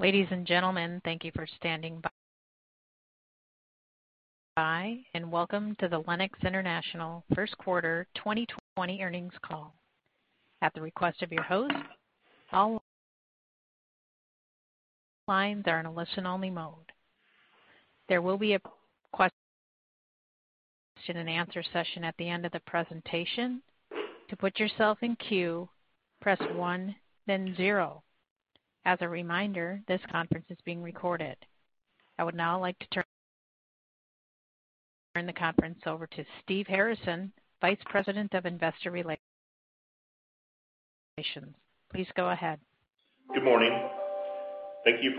Ladies and gentlemen, thank you for standing by, and welcome to the Lennox International First Quarter 2020 Earnings Call. At the request of your host, all lines are in a listen-only mode. There will be a question and answer session at the end of the presentation. To put yourself in queue, press one, then zero. As a reminder, this conference is being recorded. I would now like to turn the conference over to Steve Harrison, Vice President of Investor Relations. Please go ahead. Good morning. Thank you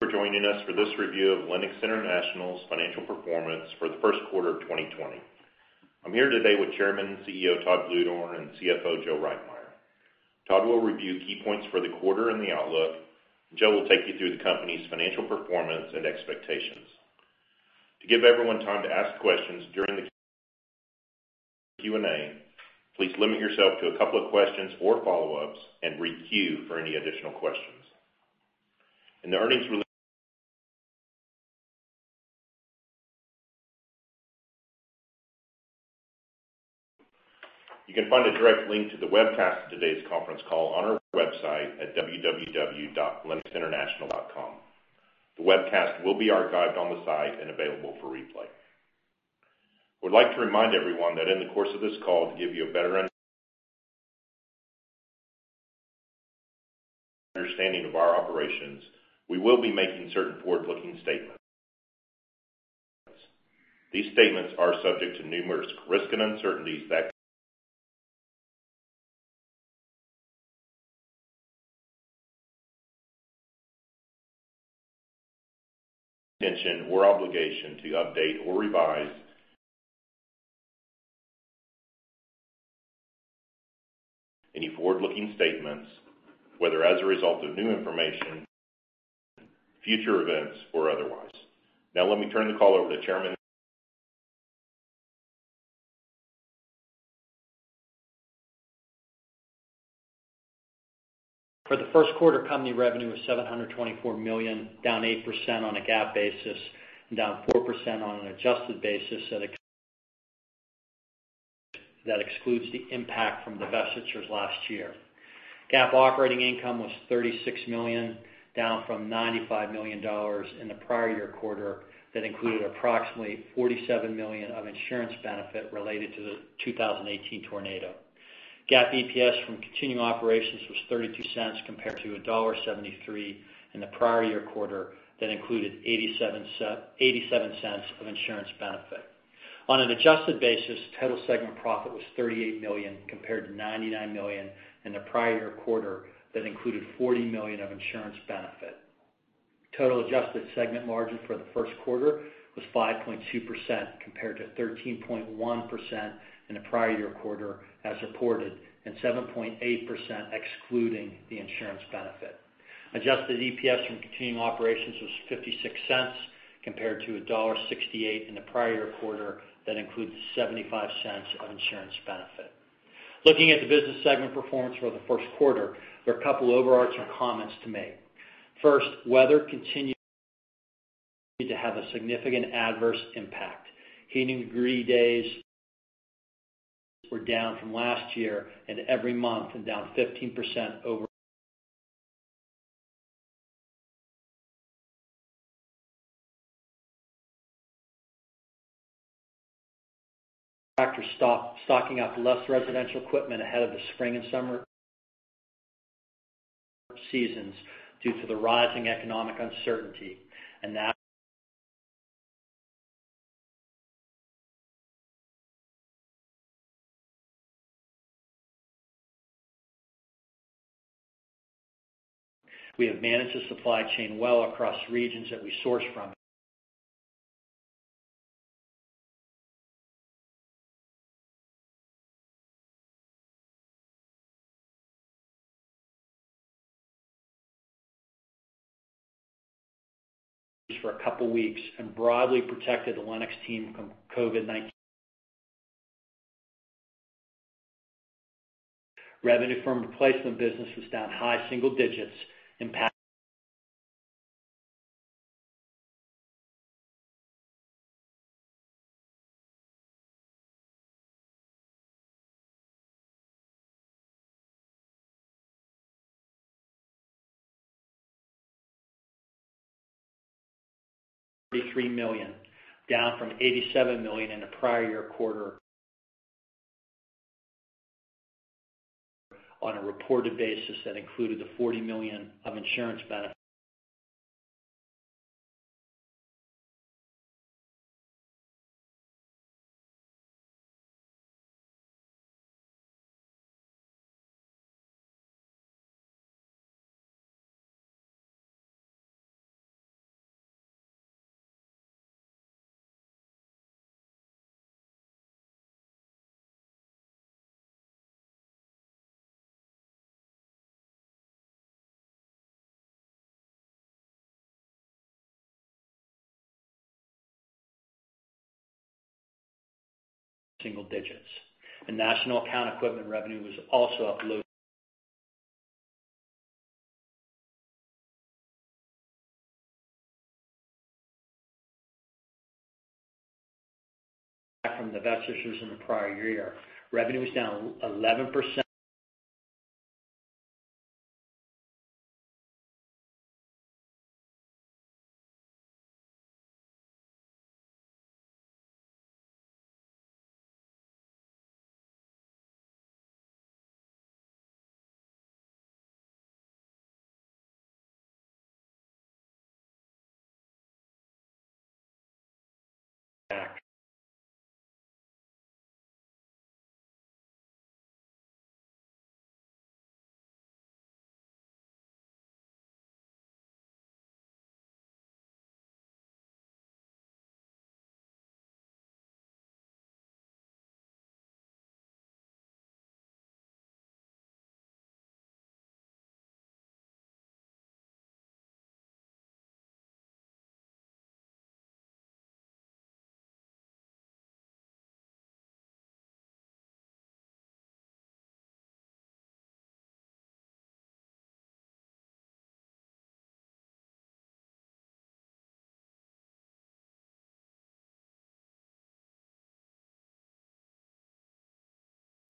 for joining us for this review of Lennox International's financial performance for the first quarter of 2020. I'm here today with Chairman and CEO Todd Bluedorn and CFO Joe Reitmeier. Todd will review key points for the quarter and the outlook. Joe will take you through the company's financial performance and expectations. To give everyone time to ask questions during the Q&A, please limit yourself to a couple of questions or follow-ups and re-queue for any additional questions. In the earnings release. You can find a direct link to the webcast of today's conference call on our website at www.lennoxinternational.com. The webcast will be archived on the site and available for replay. We'd like to remind everyone that in the course of this call, to give you a better understanding of our operations, we will be making certain forward-looking statements. These statements are subject to numerous risks and uncertainties that can intention or obligation to update or revise any forward-looking statements, whether as a result of new information, future events, or otherwise. Let me turn the call over to Chairman. For the first quarter, company revenue was $724 million, down 8% on a GAAP basis and down 4% on an adjusted basis that excludes the impact from divestitures last year. GAAP operating income was $36 million, down from $95 million in the prior year quarter that included approximately $47 million of insurance benefit related to the 2018 tornado. GAAP EPS from continuing operations was $0.32 compared to $1.73 in the prior year quarter that included $0.87 of insurance benefit. On an adjusted basis, total segment profit was $38 million compared to $99 million in the prior year quarter that included $40 million of insurance benefit. Total adjusted segment margin for the first quarter was 5.2% compared to 13.1% in the prior year quarter as reported, and 7.8% excluding the insurance benefit. Adjusted EPS from continuing operations was $0.56 compared to $1.68 in the prior quarter that includes $0.75 of insurance benefit. Looking at the business segment performance for the first quarter, there are a couple of overarching comments to make. First, weather continued to have a significant adverse impact. Heating degree days were down from last year and every month and down 15% overall. Contractors stocking up less residential equipment ahead of the spring and summer seasons due to the rising economic uncertainty. We have managed the supply chain well across regions that we source from for a couple of weeks and broadly protected the Lennox team from COVID-19. Revenue from replacement business was down high single digits, impacted $33 million, down from $87 million in the prior year quarter on a reported basis that included the $40 million of insurance benefit. National account equipment revenue was also up. From the divestitures in the prior year. Revenue was down 11%.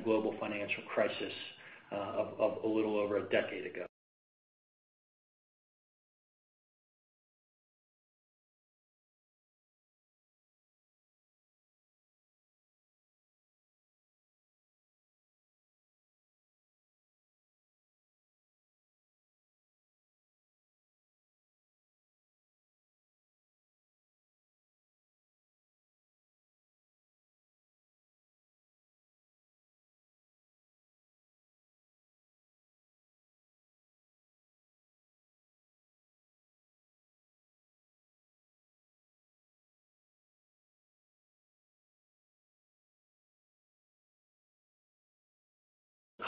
Global financial crisis of a little over a decade ago.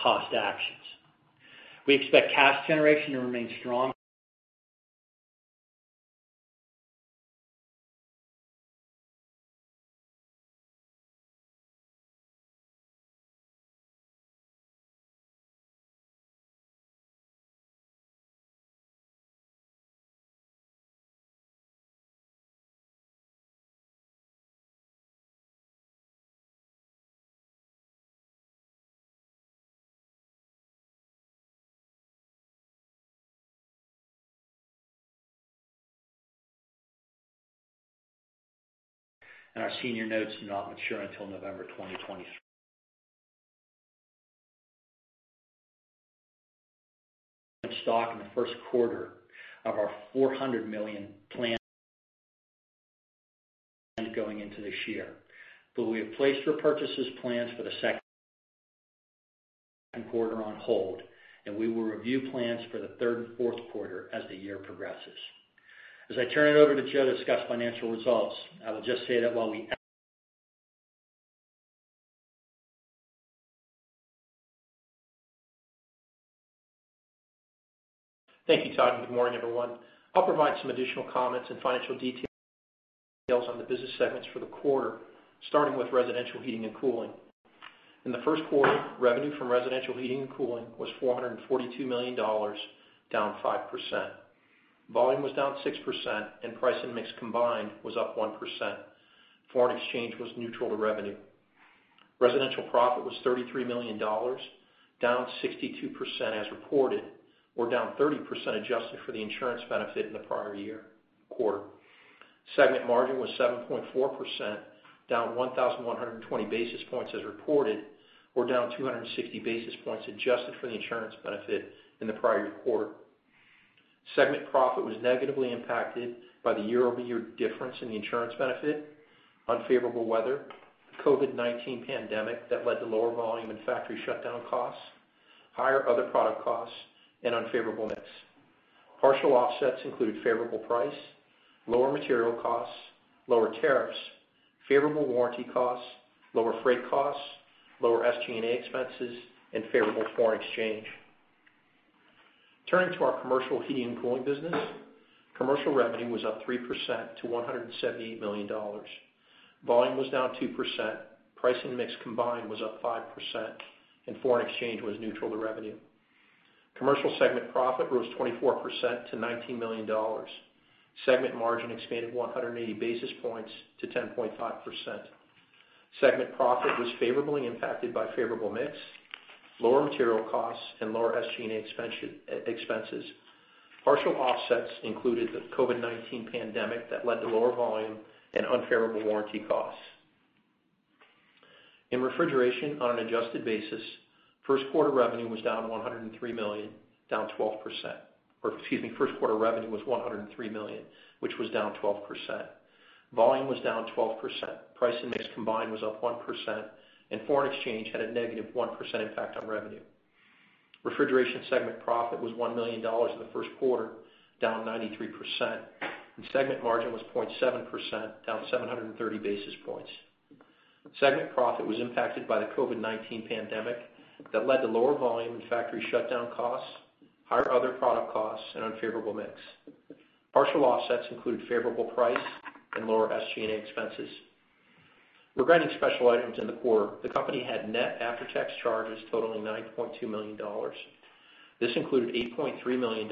Cost actions. We expect cash generation to remain strong. Our senior notes do not mature until November 2023. Stock in the first quarter of our $400 million planned going into this year. We have placed repurchases plans for the second quarter on hold, and we will review plans for the third and fourth quarter as the year progresses. As I turn it over to Joe to discuss financial results, I will just say that while we. Thank you, Todd, and good morning, everyone. I'll provide some additional comments and financial details on the business segments for the quarter, starting with Residential Heating and Cooling. In the first quarter, revenue from Residential Heating & Cooling was $442 million, down 5%. Volume was down 6%, and price and mix combined was up 1%. Foreign exchange was neutral to revenue. Residential profit was $33 million, down 62% as reported, or down 30% adjusted for the insurance benefit in the prior year quarter. Segment margin was 7.4%, down 1,120 basis points as reported, or down 260 basis points adjusted for the insurance benefit in the prior quarter. Segment profit was negatively impacted by the year-over-year difference in the insurance benefit, unfavorable weather, the COVID-19 pandemic that led to lower volume and factory shutdown costs, higher other product costs, and unfavorable mix. Partial offsets include favorable price, lower material costs, lower tariffs, favorable warranty costs, lower freight costs, lower SG&A expenses, and favorable foreign exchange. Turning to our commercial Heating & Cooling business. Commercial revenue was up 3% to $178 million. Volume was down 2%, price and mix combined was up 5%, and foreign exchange was neutral to revenue. Commercial segment profit rose 24% to $19 million. Segment margin expanded 180 basis points to 10.5%. Segment profit was favorably impacted by favorable mix, lower material costs, and lower SG&A expenses. Partial offsets included the COVID-19 pandemic that led to lower volume and unfavorable warranty costs. In Refrigeration, on an adjusted basis, first-quarter revenue was $103 million, which was down 12%. Volume was down 12%, price and mix combined was up 1%, and foreign exchange had a negative 1% impact on revenue. Refrigeration segment profit was $1 million in the first quarter, down 93%, and segment margin was 0.7%, down 730 basis points. Segment profit was impacted by the COVID-19 pandemic that led to lower volume and factory shutdown costs, higher other product costs, and unfavorable mix. Partial offsets include favorable price and lower SG&A expenses. Regarding special items in the quarter, the company had net after-tax charges totaling $9.2 million. This included $8.3 million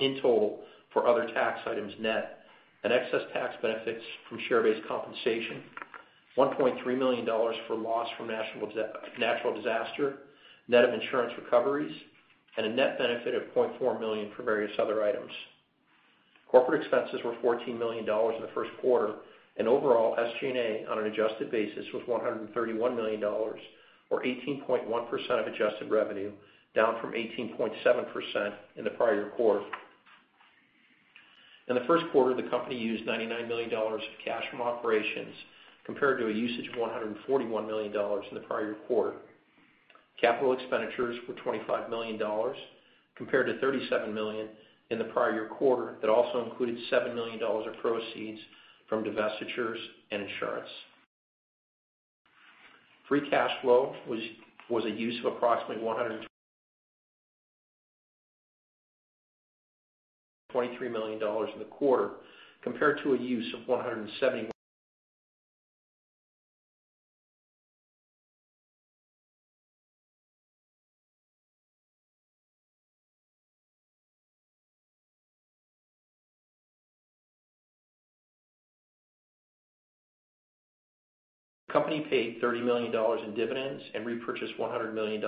in total for other tax items net, and excess tax benefits from share-based compensation, $1.3 million for loss from natural disaster, net of insurance recoveries, and a net benefit of $0.4 million for various other items. Corporate expenses were $14 million in the first quarter, and overall SG&A on an adjusted basis was $131 million, or 18.1% of adjusted revenue, down from 18.7% in the prior year quarter. In the first quarter, the company used $99 million of cash from operations, compared to a usage of $141 million in the prior year quarter. Capital expenditures were $25 million, compared to $37 million in the prior quarter that also included $7 million of proceeds from divestitures and insurance. Free cash flow was a use of approximately $123 million in the quarter, compared to a use of $170 million in the prior year quarter. The company paid $30 million in dividends and repurchased $100 million.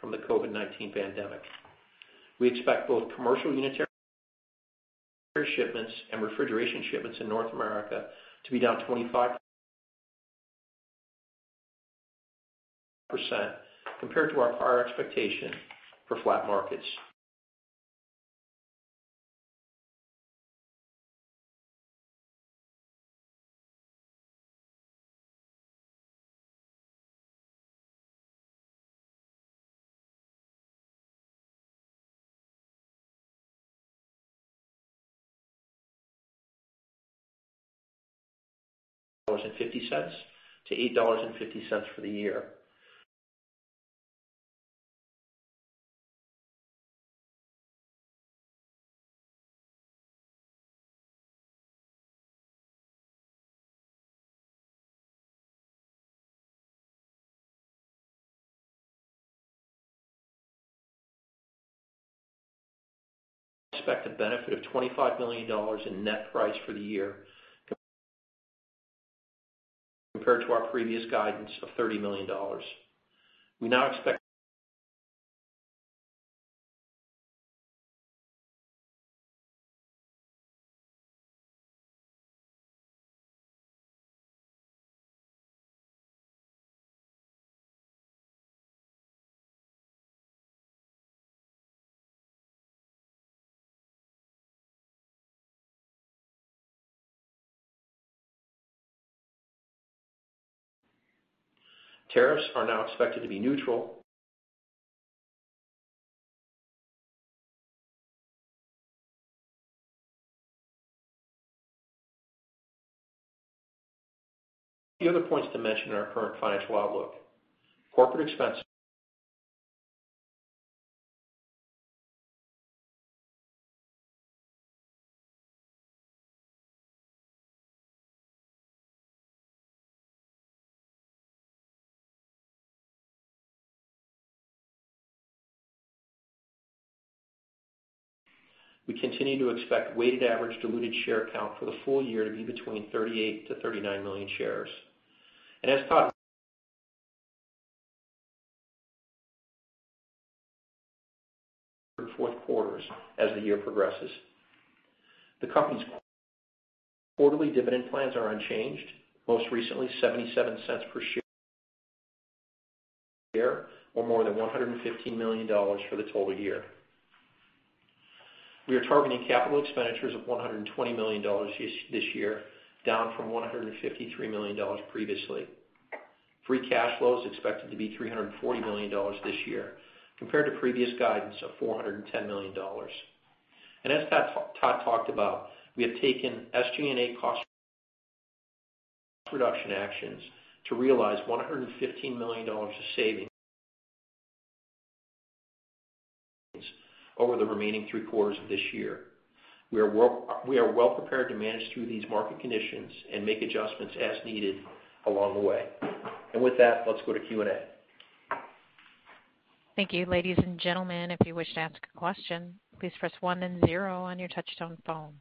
From the COVID-19 pandemic, we expect both commercial unitary shipments and refrigeration shipments in North America to be down 25% compared to our prior expectation for flat markets. $7.50 to $8.50 for the year. We expect a benefit of $25 million in net price for the year compared to our previous guidance of $30 million. Tariffs are now expected to be neutral. A few other points to mention in our current financial outlook. Corporate expense. We continue to expect weighted average diluted share count for the full year to be between 38 million shares-39 million shares. as Todd. Third and fourth quarters as the year progresses. The company's quarterly dividend plans are unchanged, most recently $0.77 per share a year, or more than $115 million for the total year. We are targeting capital expenditures of $120 million this year, down from $153 million previously. Free cash flow is expected to be $340 million this year, compared to previous guidance of $410 million. As Todd talked about, we have taken SG&A cost reduction actions to realize $115 million of savings over the remaining three quarters of this year. We are well prepared to manage through these market conditions and make adjustments as needed along the way. With that, let's go to Q&A. Thank you. Ladies and gentlemen, if you wish to ask a question, please press one and zero on your touch-tone phone.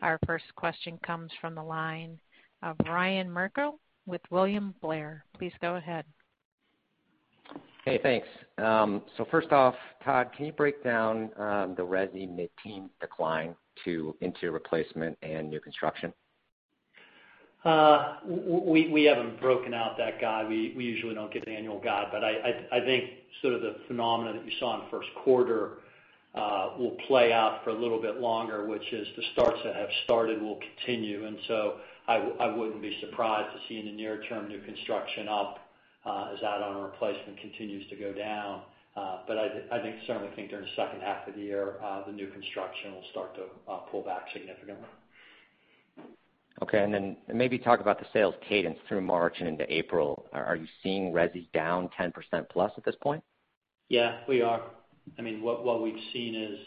Our first question comes from the line of Ryan Merkel with William Blair. Please go ahead. Hey, thanks. First off, Todd, can you break down the Resi mid-teen decline into your replacement and new construction? We haven't broken out that guide. We usually don't give annual guide. I think the phenomenon that you saw in the first quarter will play out for a little bit longer, which is the starts that have started will continue, and so I wouldn't be surprised to see in the near term new construction up. As add-on replacement continues to go down. I certainly think during the second half of the year, the new construction will start to pull back significantly. Okay. Maybe talk about the sales cadence through March and into April. Are you seeing Resi down 10% plus at this point? Yeah, we are. What we've seen is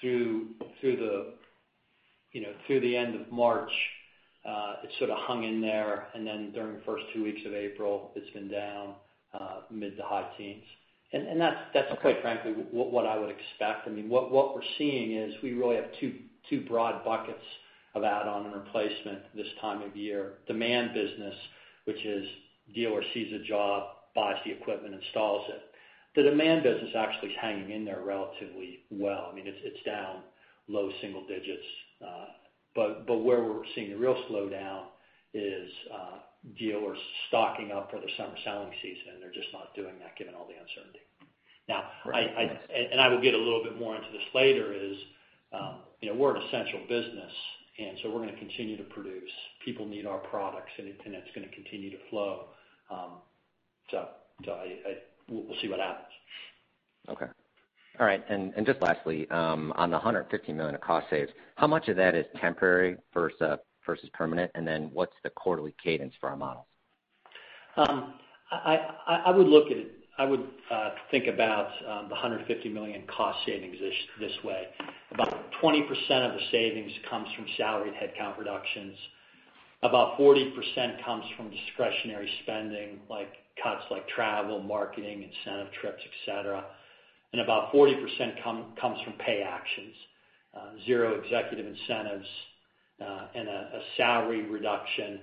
through the end of March, it sort of hung in there, and then during the first two weeks of April, it's been down mid- to high teens. Okay quite frankly, what I would expect. What we're seeing is we really have two broad buckets of add-on and replacement this time of year. Demand business, which is dealer sees a job, buys the equipment, install s it. The demand business actually is hanging in there relatively well. It's down low single digits. Where we're seeing the real slowdown is dealers stocking up for the summer selling season. They're just not doing that given all the uncertainty. Right I will get a little bit more into this later is, we're an essential business, and so we're going to continue to produce. People need our products, and it's going to continue to flow. We'll see what happens. Okay. All right. Just lastly, on the $115 million of cost saves, how much of that is temporary versus permanent? What's the quarterly cadence for our models? I would think about the $115 million cost savings this way. About 20% of the savings comes from salaried headcount reductions. About 40% comes from discretionary spending, like cuts like travel, marketing, incentive trips, et cetera. About 40% comes from pay actions. Zero executive incentives, and a salary reduction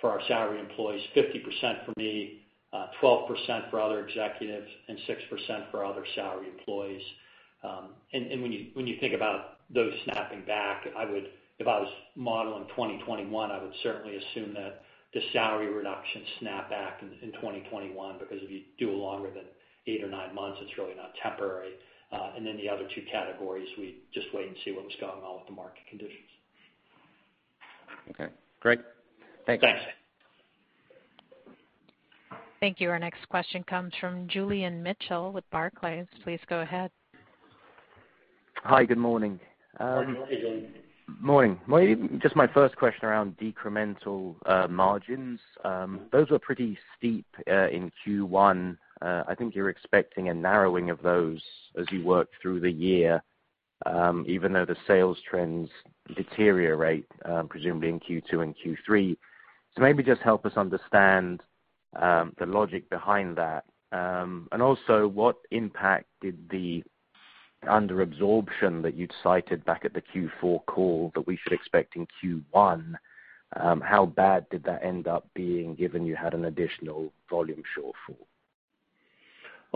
for our salaried employees, 50% for me, 12% for other executives, and 6% for other salaried employees. When you think about those snapping back, if I was modeling 2021, I would certainly assume that the salary reductions snap back in 2021, because if you do it longer than eight or nine months, it's really not temporary. The other two categories, we just wait and see what was going on with the market conditions. Okay, great. Thanks. Thanks. Thank you. Our next question comes from Julian Mitchell with Barclays. Please go ahead. Hi, good morning. Good morning, Julian. Morning. Just my first question around decremental margins. Those were pretty steep in Q1. I think you're expecting a narrowing of those as you work through the year, even though the sales trends deteriorate, presumably in Q2 and Q3. Maybe just help us understand the logic behind that? What impact did the under-absorption that you'd cited back at the Q4 call that we should expect in Q1, how bad did that end up being, given you had an additional volume shortfall?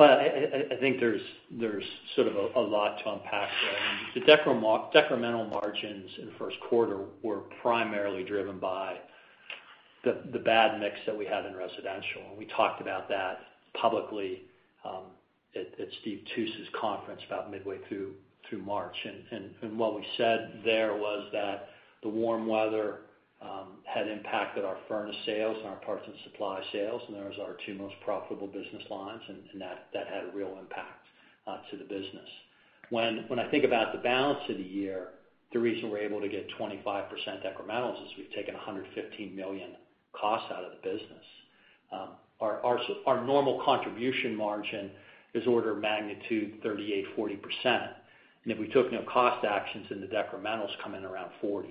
I think there's sort of a lot to unpack there. The decremental margins in the first quarter were primarily driven by the bad mix that we had in Residential, and we talked about that publicly at Steve Tusa's conference about midway through March. What we said there was that the warm weather had impacted our furnace sales and our parts and supply sales, and those are our two most profitable business lines, and that had a real impact to the business. When I think about the balance of the year, the reason we're able to get 25% decrementals is we've taken $115 million costs out of the business. Our normal contribution margin is, order of magnitude 38%, 40%. If we took no cost actions then the decrementals come in around 40%.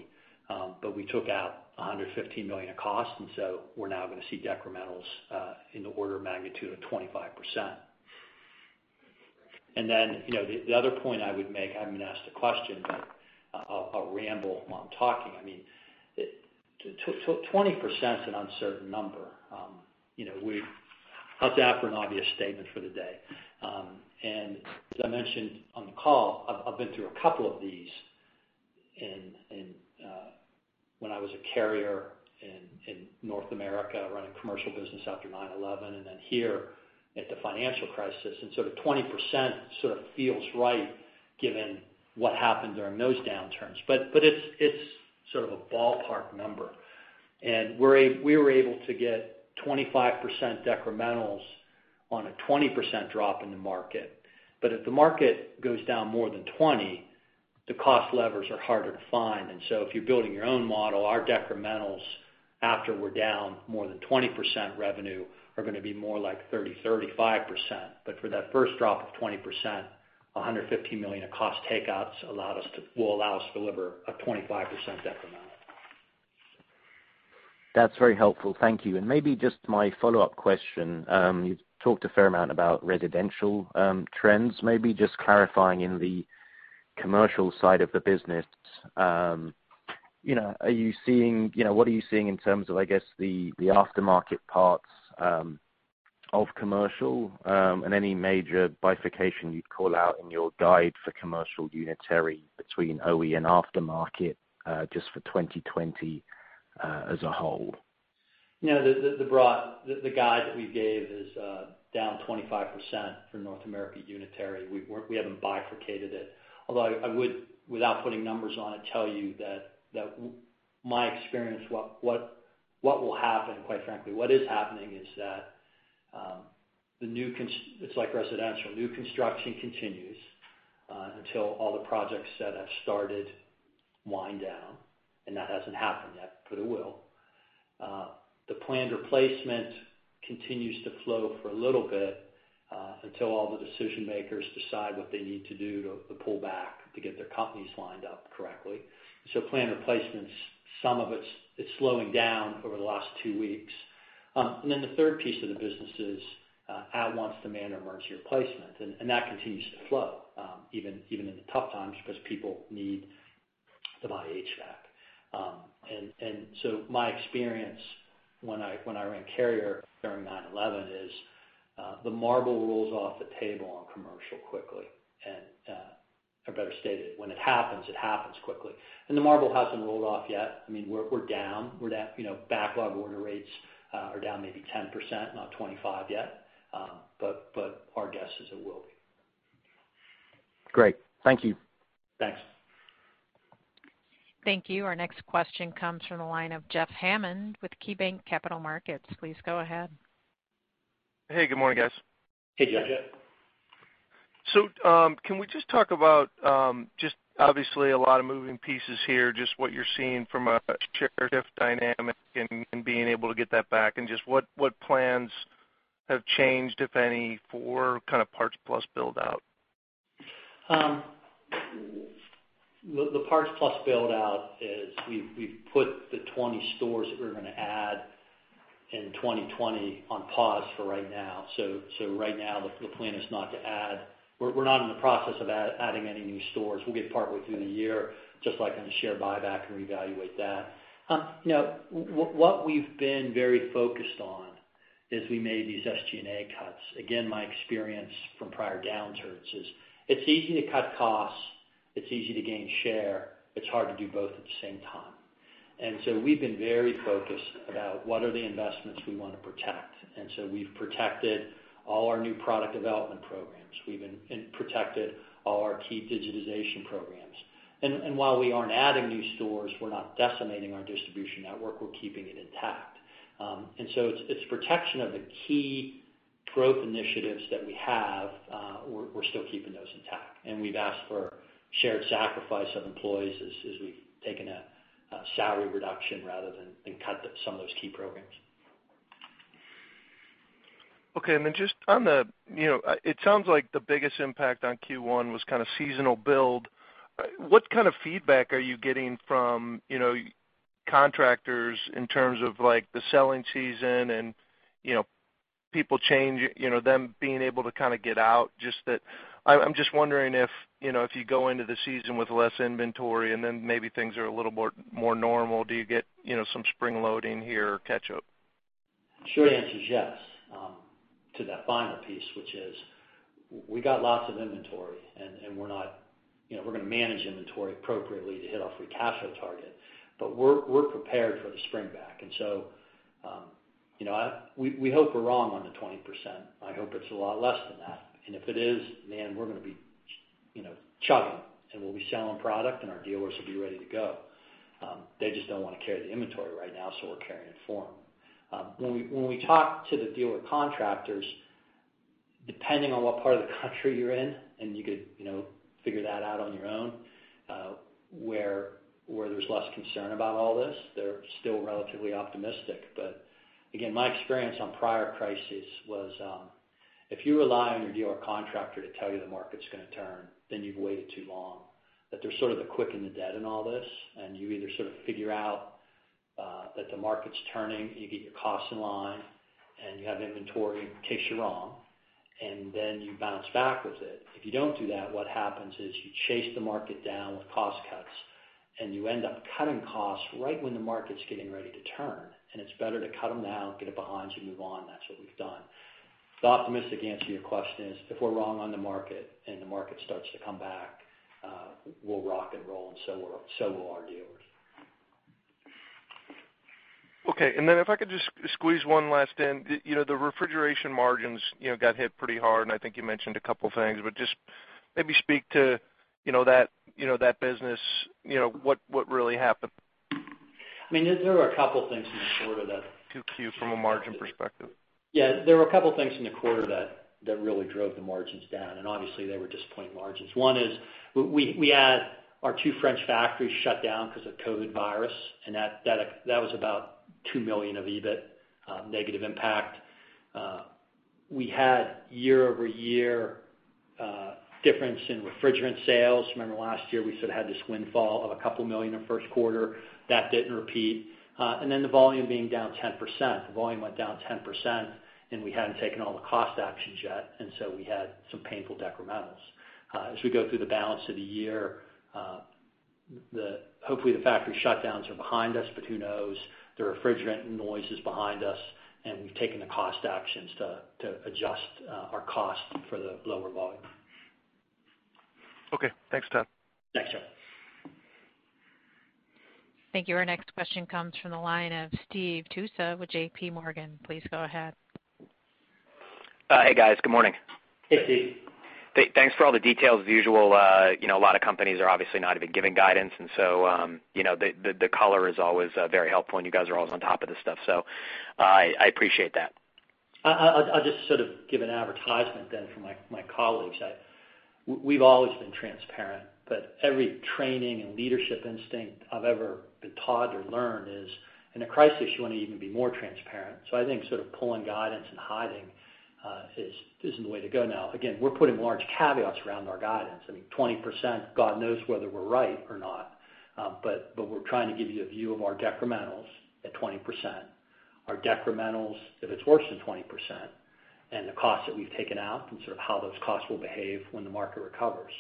We took out $115 million of costs, and so we're now going to see decrementals in the order of magnitude of 25%. The other point I would make, I haven't been asked a question, but I'll ramble while I'm talking. 20%'s an uncertain number. How's that for an obvious statement for the day? As I mentioned on the call, I've been through a couple of these when I was at Carrier in North America running commercial business after 9/11, and then here at the financial crisis. 20% sort of feels right given what happened during those downturns. It's sort of a ballpark number. We were able to get 25% decrementals on a 20% drop in the market. If the market goes down more than 20%, the cost levers are harder to find. If you're building your own model, our decrementals after we're down more than 20% revenue are going to be more like 30%-35%. For that first drop of 20%, $115 million of cost takeouts will allow us to deliver a 25% decrement. That's very helpful. Thank you. Maybe just my follow-up question. You talked a fair amount about Residential trends, maybe just clarifying in the Commercial side of the business. What are you seeing in terms of, I guess, the aftermarket parts of Commercial, and any major bifurcation you'd call out in your guide for commercial unitary between OE and aftermarket, just for 2020 as a whole? The guide that we gave is down 25% for North America unitary. We haven't bifurcated it. Although I would, without putting numbers on it, tell you that my experience, what will happen, quite frankly, what is happening, is that it's like Residential. New construction continues until all the projects that have started wind down, and that hasn't happened yet, but it will. The planned replacement continues to flow for a little bit until all the decision makers decide what they need to do to pull back to get their companies lined up correctly. Planned replacements, some of it's slowing down over the last two weeks. The third piece of the business is at-want demand or emerging replacement, and that continues to flow, even in the tough times, because people need to buy HVAC. My experience when I ran Carrier during 9/11 is the marble rolls off the table on Commercial quickly. I better state it, when it happens, it happens quickly. The marble hasn't rolled off yet. We're down. Backlog order rates are down maybe 10%, not 25 yet. Our guess is it will be. Great. Thank you. Thanks. Thank you. Our next question comes from the line of Jeff Hammond with KeyBanc Capital Markets. Please go ahead. Hey, good morning, guys. Hey, Jeff. Can we just talk about, just obviously a lot of moving pieces here, just what you're seeing from a share shift dynamic and being able to get that back and just what plans have changed, if any, for PartsPlus build-out? The PartsPlus build-out is we’ve put the 20 stores that we were going to add in 2020 on pause for right now. Right now the plan is not to add. We’re not in the process of adding any new stores. We’ll get partway through the year, just like on the share buyback, and reevaluate that. What we’ve been very focused on is we made these SG&A cuts. Again, my experience from prior downturns is it’s easy to cut costs, it’s easy to gain share, it’s hard to do both at the same time. We’ve been very focused about what are the investments we want to protect. We’ve protected all our new product development programs. We’ve protected all our key digitization programs. While we aren’t adding new stores, we’re not decimating our distribution network, we’re keeping it intact. It's protection of the key growth initiatives that we have. We're still keeping those intact. We've asked for shared sacrifice of employees as we've taken a salary reduction rather than cut some of those key programs. Okay. It sounds like the biggest impact on Q1 was kind of seasonal build. What kind of feedback are you getting from contractors in terms of the selling season and people change, them being able to kind of get out? I'm just wondering if you go into the season with less inventory and then maybe things are a little more normal, do you get some spring loading here or catch-up? The short answer is yes to that final piece, which is we got lots of inventory and we're going to manage inventory appropriately to hit our free cash flow target, but we're prepared for the spring-back. We hope we're wrong on the 20%. I hope it's a lot less than that. If it is, man, we're going to be chugging, and we'll be selling product and our dealers will be ready to go. They just don't want to carry the inventory right now, so we're carrying it for them. When we talk to the dealer contractors, depending on what part of the country you're in, and you could figure that out on your own, where there's less concern about all this, they're still relatively optimistic. Again, my experience on prior crises was if you rely on your dealer contractor to tell you the market's going to turn, then you've waited too long, that they're sort of the quick and the dead in all this, and you either sort of figure out that the market's turning, you get your costs in line, and you have inventory in case you're wrong, and then you bounce back with it. If you don't do that, what happens is you chase the market down with cost cuts, and you end up cutting costs right when the market's getting ready to turn, and it's better to cut them now and get it behind you, move on. That's what we've done. The optimistic answer to your question is if we're wrong on the market and the market starts to come back, we'll rock and roll, and so will our dealers. Okay. If I could just squeeze one last in. The Refrigeration margins got hit pretty hard, and I think you mentioned a couple things, but just maybe speak to that business, what really happened? There were a couple things in the quarter. 2Q from a margin perspective. Yeah, there were a couple things in the quarter that really drove the margins down, and obviously they were disappointing margins. One is we had our two French factories shut down because of COVID virus, and that was about $2 million of EBIT negative impact. We had year-over-year difference in refrigerant sales. Remember last year, we sort of had this windfall of $couple million in first quarter. That didn't repeat. The volume being down 10%. The volume went down 10%, and we hadn't taken all the cost actions yet, and so we had some painful decrementals. As we go through the balance of the year, hopefully the factory shutdowns are behind us, but who knows? The refrigerant noise is behind us, and we've taken the cost actions to adjust our cost for the lower volume. Okay. Thanks, Todd. Thanks, Jeff. Thank you. Our next question comes from the line of Steve Tusa with JPMorgan. Please go ahead. Hey, guys. Good morning. Hey, Steve. Thanks for all the details. As usual, a lot of companies are obviously not even giving guidance. The color is always very helpful, and you guys are always on top of this stuff, so I appreciate that. I'll just sort of give an advertisement then for my colleagues. We've always been transparent, but every training and leadership instinct I've ever been taught or learned is, in a crisis, you want to even be more transparent. I think sort of pulling guidance and hiding isn't the way to go now. Again, we're putting large caveats around our guidance. I mean, 20%, God knows whether we're right or not. We're trying to give you a view of our decrementals at 20%, our decrementals if it's worse than 20%, and the cost that we've taken out and sort of how those costs will behave when the market recovers.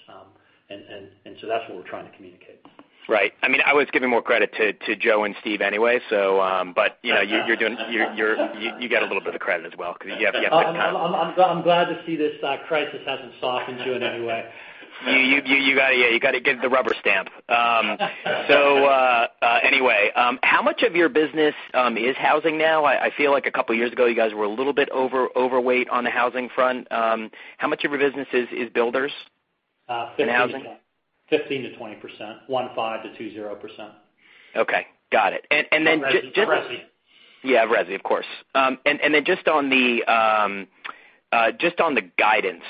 That's what we're trying to communicate. Right. I was giving more credit to Joe and Steve anyway. You get a little bit of credit as well, because you have big- I'm glad to see this crisis hasn't softened you in any way. You got to give the rubber stamp. Anyway, how much of your business is housing now? I feel like a couple of years ago, you guys were a little bit overweight on the housing front. How much of your business is builders in housing? 15% to 20%, one-five to two-zero percent. Okay. Got it. Resi. Yeah, Resi, of course. Just on the guidance.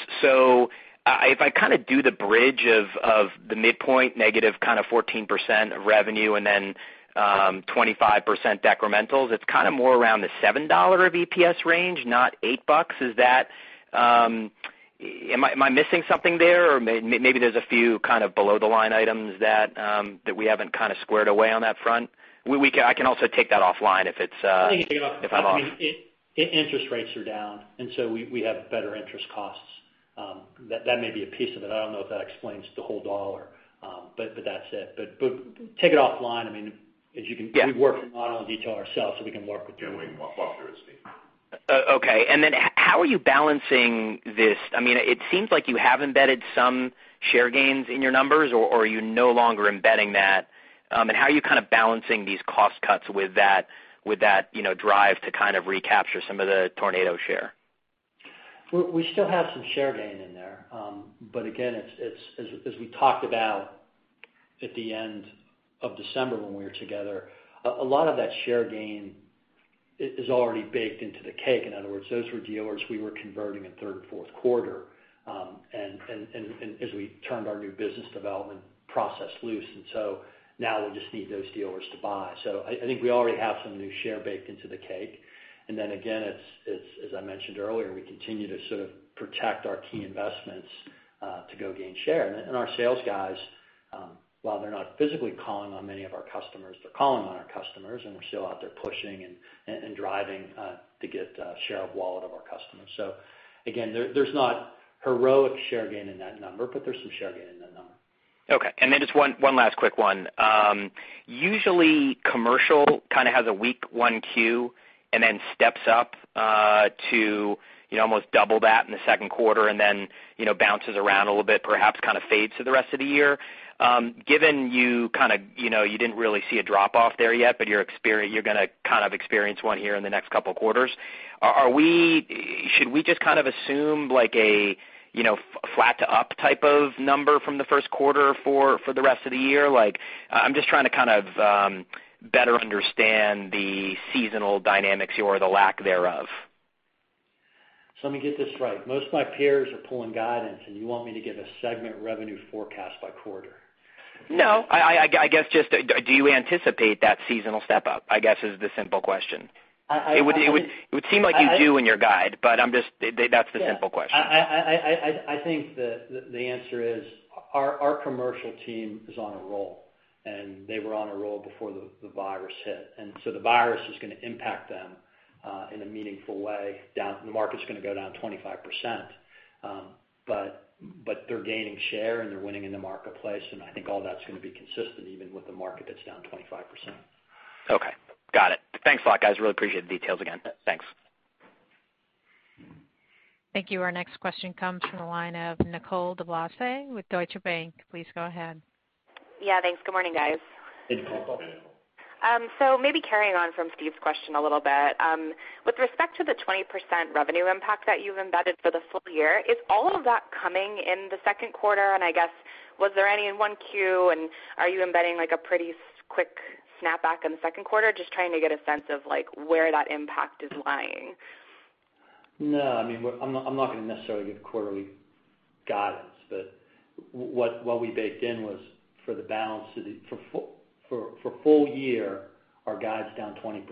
If I kind of do the bridge of the midpoint negative 14% revenue and then 25% decrementals, it's kind of more around the $7 of EPS range, not $8. Am I missing something there? Maybe there's a few kind of below the line items that we haven't kind of squared away on that front? I can also take that offline if I'm off. Interest rates are down, we have better interest costs. That may be a piece of it. I don't know if that explains the whole dollar. That's it. Take it offline. I mean- Yeah We've worked the model in detail ourselves, so we can work with you. Yeah. We can walk through it, Steve. Okay. How are you balancing this? It seems like you have embedded some share gains in your numbers, or are you no longer embedding that? How are you kind of balancing these cost cuts with that drive to kind of recapture some of the tornado share? We still have some share gain in there. Again, as we talked about at the end of December when we were together, a lot of that share gain is already baked into the cake. In other words, those were dealers we were converting in third and fourth quarter. As we turned our new business development process loose, now we just need those dealers to buy. I think we already have some new share baked into the cake. Then again, as I mentioned earlier, we continue to sort of protect our key investments to go gain share. Our sales guys, while they're not physically calling on many of our customers, they're calling on our customers, and we're still out there pushing and driving to get a share of wallet of our customers. Again, there's not heroic share gain in that number, but there's some share gain in that number. Okay. Just one last quick one. Usually, Commercial kind of has a weak 1Q steps up to almost double that in the second quarter bounces around a little bit, perhaps kind of fades through the rest of the year. Given you didn't really see a drop-off there yet, you're going to kind of experience one here in the next couple of quarters. Should we just kind of assume like a flat to up type of number from the first quarter for the rest of the year? I'm just trying to kind of better understand the seasonal dynamics here or the lack thereof. Let me get this right. Most of my peers are pulling guidance, and you want me to give a segment revenue forecast by quarter? No, I guess just do you anticipate that seasonal step up, I guess is the simple question. I- It would seem like you do in your guide, but that's the simple question. Yeah. I think that the answer is our Commercial team is on a roll, and they were on a roll before the virus hit, and so the virus is going to impact them in a meaningful way. The market's going to go down 25%, but they're gaining share and they're winning in the marketplace, and I think all that's going to be consistent even with the market that's down 25%. Okay. Got it. Thanks a lot, guys. Really appreciate the details again. Thanks. Thank you. Our next question comes from the line of Nicole DeBlase with Deutsche Bank. Please go ahead. Yeah, thanks. Good morning, guys. Good morning. Maybe carrying on from Steve's question a little bit. With respect to the 20% revenue impact that you've embedded for the full year, is all of that coming in the second quarter? I guess was there any in 1Q, and are you embedding like a pretty quick snapback in the second quarter? Just trying to get a sense of where that impact is lying. No, I'm not going to necessarily give quarterly guidance, but what we baked in was for full year, our guide's down 20%.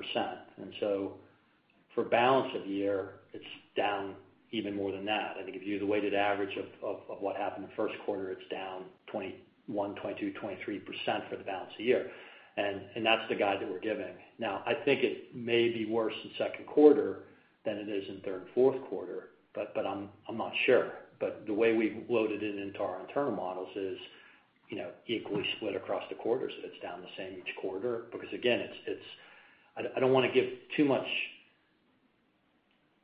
For balance of the year, it's down even more than that. I think if you do the weighted average of what happened in the first quarter, it's down 21%, 22%, 23% for the balance of the year. That's the guide that we're giving. Now, I think it may be worse in second quarter than it is in third and fourth quarter, but I'm not sure. The way we've loaded it into our internal models is equally split across the quarters, so it's down the same each quarter. Because again, I don't want to give too much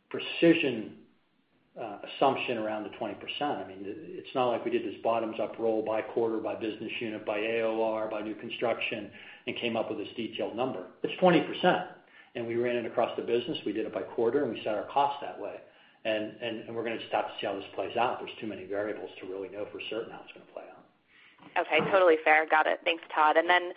precision assumption around the 20%. It's not like we did this bottoms-up roll by quarter, by business unit, by AOR, by new construction, and came up with this detailed number. It's 20%. We ran it across the business. We did it by quarter, and we set our cost that way. We're going to just have to see how this plays out. There's too many variables to really know for certain how it's going to play out. Okay. Totally fair. Got it. Thanks, Todd. Then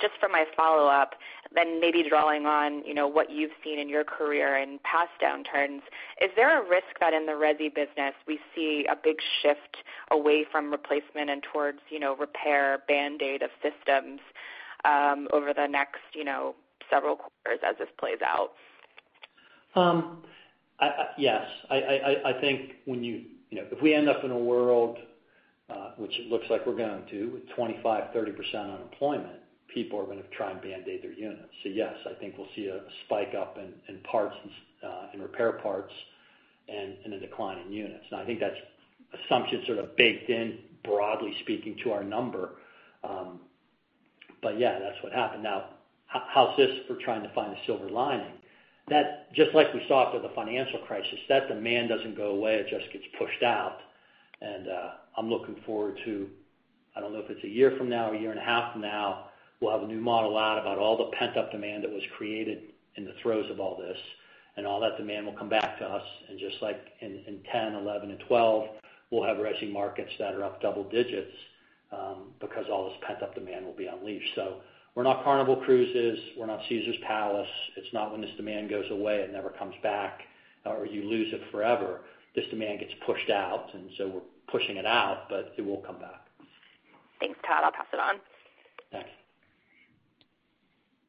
just for my follow-up, then maybe drawing on what you've seen in your career in past downturns, is there a risk that in the Resi business, we see a big shift away from replacement and towards repair, Band-Aid of systems over the next several quarters as this plays out? Yes. I think if we end up in a world, which it looks like we're going to, with 25%, 30% unemployment, people are going to try and Band-Aid their units. Yes, I think we'll see a spike up in repair parts and a decline in units. I think that assumption's sort of baked in, broadly speaking, to our number. Yeah, that's what happened. Now how's this for trying to find a silver lining? Just like we saw after the financial crisis, that demand doesn't go away, it just gets pushed out. I'm looking forward to, I don't know if it's a year from now or a year and a half from now, we'll have a new model out about all the pent-up demand that was created in the throes of all this, and all that demand will come back to us. Just like in 2010, 2011, and 2012, we'll have Resi markets that are up double-digits because all this pent-up demand will be unleashed. We're not Carnival Cruises, we're not Caesars Palace. It's not when this demand goes away, it never comes back, or you lose it forever. This demand gets pushed out, and so we're pushing it out, but it will come back. Thanks, Todd. I'll pass it on. Thanks.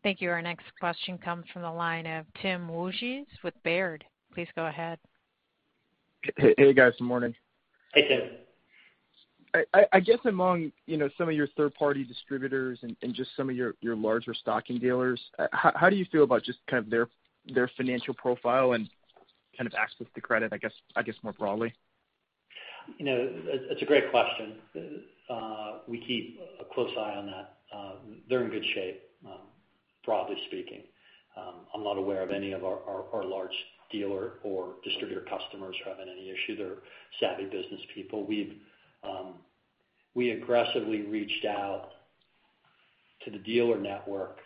Thank you. Our next question comes from the line of Tim Wojs with Baird. Please go ahead. Hey, guys. Good morning. Hey, Tim. I guess among some of your third-party distributors and just some of your larger stocking dealers, how do you feel about just kind of their financial profile and kind of access to credit, I guess, more broadly? It's a great question. We keep a close eye on that. They're in good shape, broadly speaking. I'm not aware of any of our large dealer or distributor customers who are having any issue. They're savvy businesspeople. We aggressively reached out to the dealer network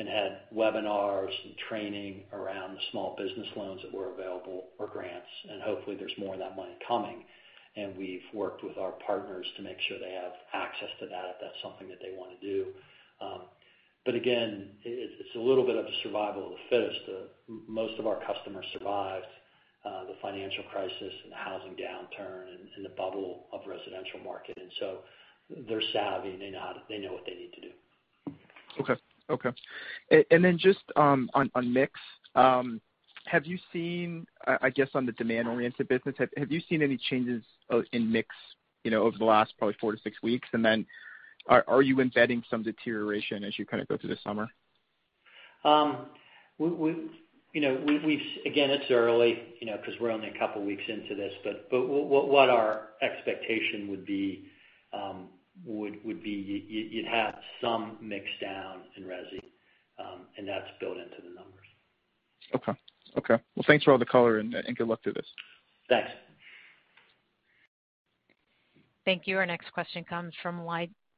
and had webinars and training around the small business loans that were available, or grants. Hopefully there's more of that money coming. We've worked with our partners to make sure they have access to that if that's something that they want to do. Again, it's a little bit of a survival of the fittest. Most of our customers survived the financial crisis and the housing downturn and the bubble of residential market. They're savvy, and they know what they need to do. Okay. Just on mix, have you seen, I guess, on the demand-oriented business, have you seen any changes in mix over the last probably four to six weeks? Are you embedding some deterioration as you kind of go through the summer? It's early, because we're only a couple of weeks into this. What our expectation would be, you'd have some mix-down in Resi, and that's built into the numbers. Okay. Well, thanks for all the color and good luck through this. Thanks. Thank you. Our next question comes from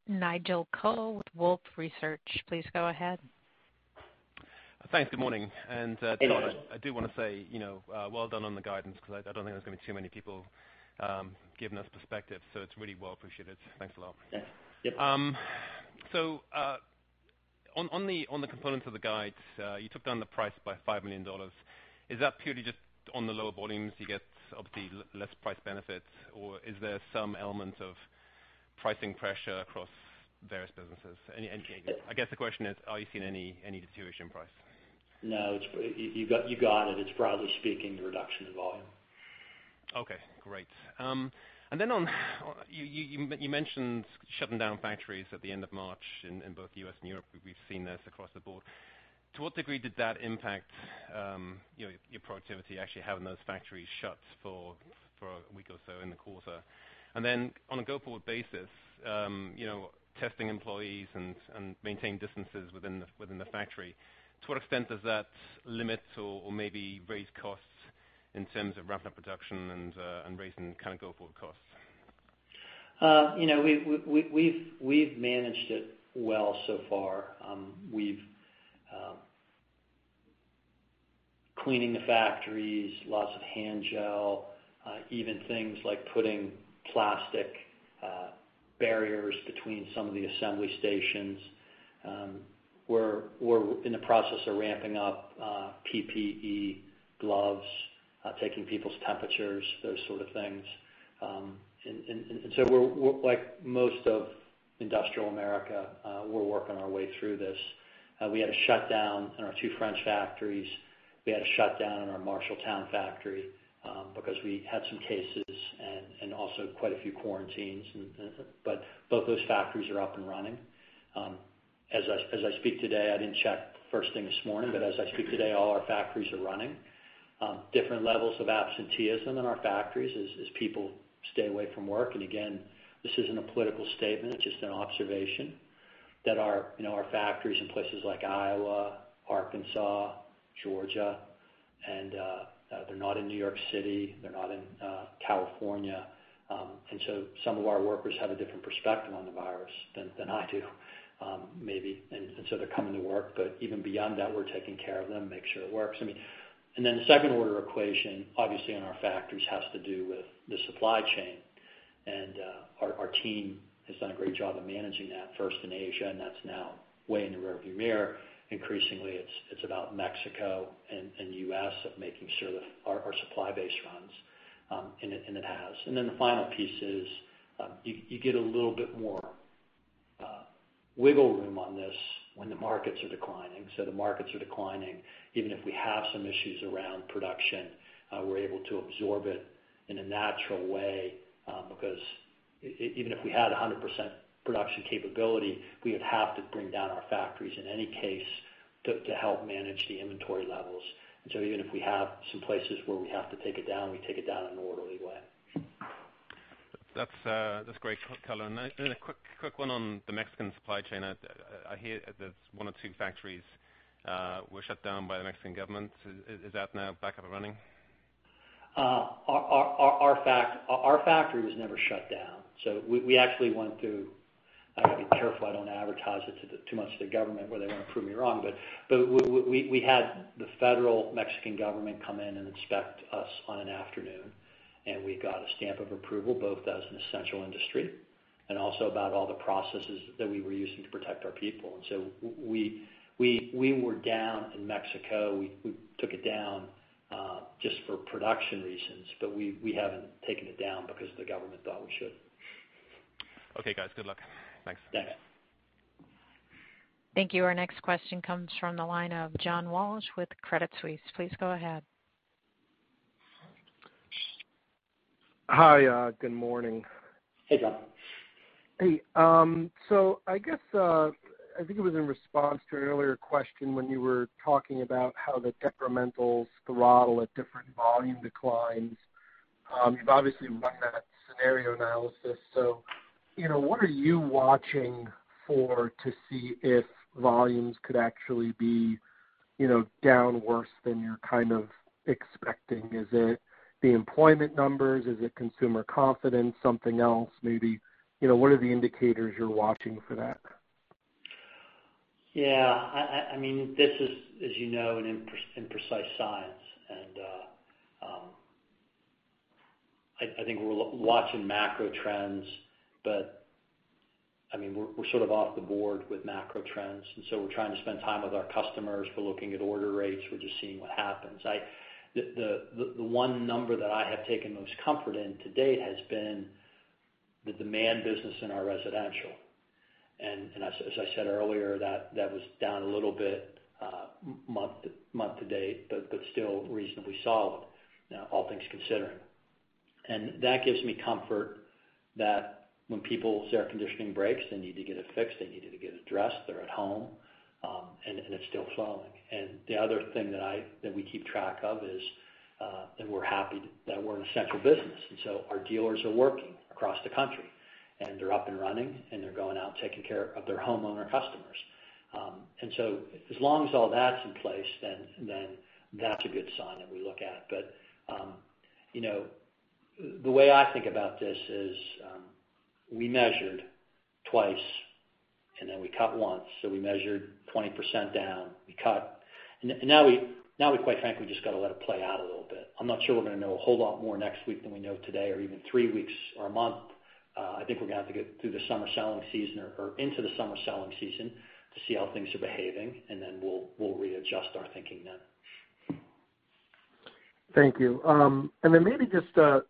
Nigel Coe with Wolfe Research. Please go ahead. Thanks. Good morning. Hey, Nigel. Todd, I do want to say, well done on the guidance because I don't think there's going to be too many people giving us perspective, so it's really well appreciated. Thanks a lot. Yes. On the components of the guides, you took down the price by $5 million. Is that purely just on the lower volumes, you get obviously less price benefits? Is there some element of pricing pressure across various businesses? Any changes? I guess the question is, are you seeing any deterioration in price? No. You got it. It's broadly speaking, the reduction in volume. Okay. Great. You mentioned shutting down factories at the end of March in both the U.S. and Europe. We've seen this across the board. To what degree did that impact your productivity, actually having those factories shut for a week or so in the quarter? On a go-forward basis, testing employees and maintaining distances within the factory, to what extent does that limit or maybe raise costs in terms of ramping up production and raising kind of go-forward costs? We've managed it well so far. Cleaning the factories, lots of hand gel, even things like putting plastic barriers between some of the assembly stations. We're in the process of ramping up PPE gloves, taking people's temperatures, those sort of things. We're like most of industrial America. We're working our way through this. We had a shutdown in our two French factories. We had a shutdown in our Marshalltown factory because we had some cases and also quite a few quarantines. Both those factories are up and running. As I speak today, I didn't check first thing this morning, but as I speak today, all our factories are running. Different levels of absenteeism in our factories as people stay away from work. Again, this isn't a political statement, it's just an observation, that our factories in places like Iowa, Arkansas, Georgia. They're not in New York City, they're not in California. Some of our workers have a different perspective on the virus than I do maybe. They're coming to work, but even beyond that, we're taking care of them, make sure it works. The second order equation, obviously in our factories, has to do with the supply chain. Our team has done a great job of managing that, first in Asia, and that's now way in the rear view mirror. Increasingly, it's about Mexico and U.S. of making sure that our supply base runs, and it has. The final piece is you get a little bit more wiggle room on this when the markets are declining. The markets are declining. Even if we have some issues around production, we're able to absorb it in a natural way, because even if we had 100% production capability, we would have to bring down our factories in any case to help manage the inventory levels. Even if we have some places where we have to take it down, we take it down in an orderly way. That's great color. A quick one on the Mexican supply chain. I hear that one or two factories were shut down by the Mexican government. Is that now back up and running? Our factory was never shut down. I've got to be careful I don't advertise it too much to the government where they want to prove me wrong. We had the federal Mexican government come in and inspect us on an afternoon, and we got a stamp of approval, both as an essential industry and also about all the processes that we were using to protect our people. We were down in Mexico. We took it down, just for production reasons. We haven't taken it down because the government thought we should. Okay, guys. Good luck. Thanks. Thanks. Thank you. Our next question comes from the line of John Walsh with Credit Suisse. Please go ahead. Hi. Good morning. Hey, John. Hey. I guess, I think it was in response to an earlier question when you were talking about how the decrementals throttle at different volume declines. You've obviously run that scenario analysis. What are you watching for to see if volumes could actually be down worse than you're kind of expecting? Is it the employment numbers? Is it consumer confidence, something else maybe? What are the indicators you're watching for that? Yeah. This is, as you know, an imprecise science. I think we're watching macro trends, but we're sort of off the board with macro trends, we're trying to spend time with our customers. We're looking at order rates. We're just seeing what happens. The one number that I have taken most comfort in to date has been the demand business in our Residential. As I said earlier, that was down a little bit month to date, but still reasonably solid all things considering. That gives me comfort that when people's air conditioning breaks, they need to get it fixed, they need to get it addressed, they're at home, and it's still flowing. The other thing that we keep track of is that we're happy that we're an essential business. Our dealers are working across the country, and they're up and running, and they're going out taking care of their homeowner customers. As long as all that's in place, then that's a good sign that we look at. The way I think about this is, we measured twice and then we cut once. We measured 20% down. We cut. Now we quite frankly just got to let it play out a little bit. I'm not sure we're going to know a whole lot more next week than we know today or even three weeks or a month. I think we're going to have to get through the summer selling season or into the summer selling season to see how things are behaving, and then we'll readjust our thinking then. Thank you. Maybe just a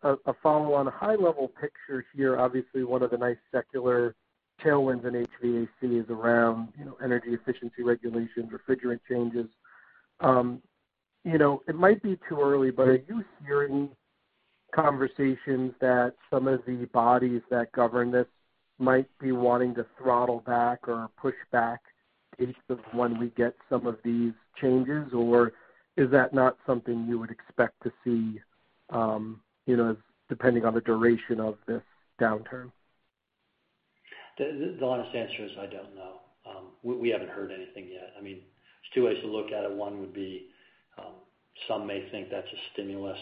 follow-on. A high-level picture here, obviously one of the nice secular tailwinds in HVAC is around energy efficiency regulations, refrigerant changes. It might be too early, are you hearing conversations that some of the bodies that govern this might be wanting to throttle back or push back in when we get some of these changes? Is that not something you would expect to see depending on the duration of this downturn? The honest answer is, I don't know. We haven't heard anything yet. There's two ways to look at it. One would be some may think that's a stimulus